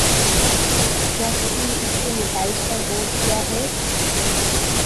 کیا کسی نے اس کے نتائج پر غور کیا ہے؟